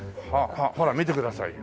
ほら見てください。